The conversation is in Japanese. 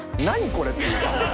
これっていう。